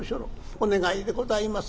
『お願いでございます。